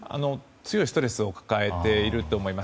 強いストレスを抱えていると思います。